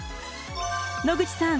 野口さん